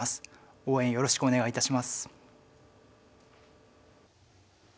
応援よろしくお願いいたします。